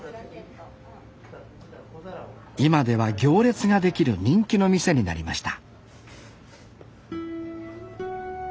今では行列が出来る人気の店になりました